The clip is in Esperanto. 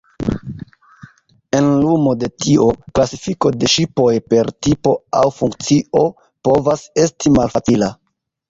En lumo de tio, klasifiko de ŝipoj per tipo aŭ funkcio povas esti malfacila.